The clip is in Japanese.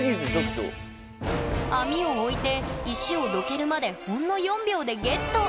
⁉網を置いて石をどけるまでほんの４秒でゲット！